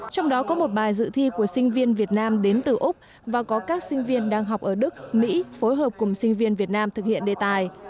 trong đó có một bài dự thi của sinh viên việt nam đến từ úc và có các sinh viên đang học ở đức mỹ phối hợp cùng sinh viên việt nam thực hiện đề tài